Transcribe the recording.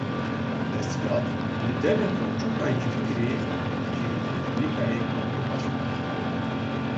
Desthilat bi devê xwe çûkan bigre jî nikare ekonomiyê baş bike.